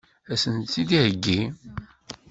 Ad as-tt-id-iheggi?